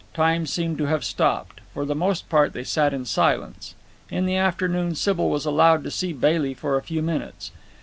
Time seemed to have stopped. For the most part they sat in silence. In the afternoon Sybil was allowed to see Bailey for a few minutes.